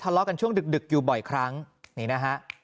ทะเลาะกันช่วงดึกอยู่บ่อยครั้งนี่นะฮะ